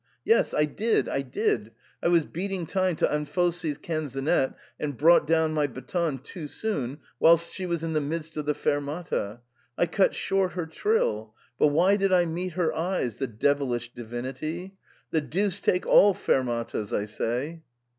Yes, I did, I did ; I was beating time to Anfossi's canzonet, and brought down my baton too soon whilst she was in the midst of thQfermata; I cut short her trill ; but why did I meet her eyes, the devilish divinity ! The deuce take all fermatas, I say